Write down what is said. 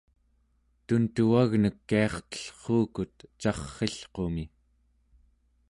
tuntuvagnek kiartellruukut carr'ilqumi